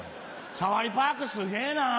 サファリパークすげぇな。